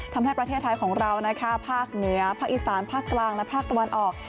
ทำให้ประเทศไทยของเรานะคะภาคเหนือภาคอีสานภาคกลางและภาคตะวันออก